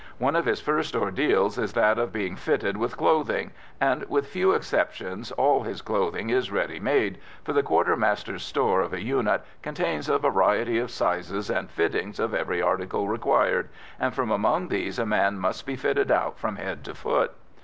One of his first ordeals is that of being fitted with clothing, and with few exceptions, all his clothing is ready made, for the quartermaster's store of a unit contains a variety of sizes and fittings of every article required, and from among these a man must be fitted out from head to foot.